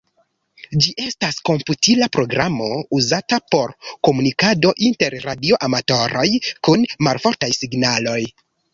Ĝi estas komputila programo uzata por komunikado inter radio-amatoroj kun malfortaj signaloj.